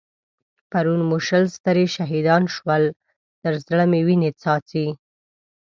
پرون مو شل سترې شهيدان شول؛ تر زړه مې وينې څاڅي.